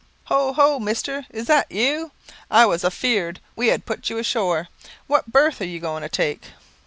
"Ho, ho, mister, is that you? I was afear'd we had put you ashore. What berth are you goin' to take?"